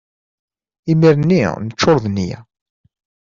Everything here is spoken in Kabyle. Imir-nni neččur d nneyya.